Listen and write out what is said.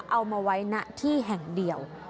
เอามาไว้ณที่แห่งเดียว